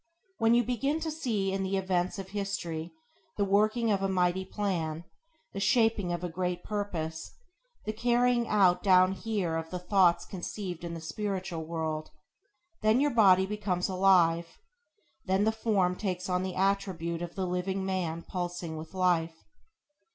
When you begin to see in the events of history the working of a mighty plan; the shaping of a great purpose; the carrying out down here of the thoughts conceived in the spiritual world; then your body becomes alive, then the form takes on the attribute of the living man pulsing with life.